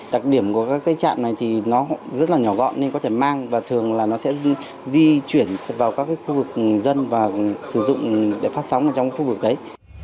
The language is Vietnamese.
đặc điểm của các trạm này thì nó rất là nhỏ gọn nên có thể mang và thường là nó sẽ di chuyển vào các khu vực dân và sử dụng để phát sóng trong khu vực đấy